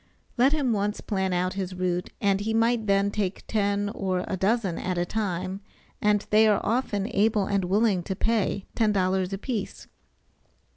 Let him once plan out his route, and he might then take ten or a dozen at a time, and they are often able and willing to pay $10 a piece.